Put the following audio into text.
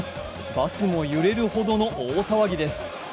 バスも揺れるほどの大騒ぎです。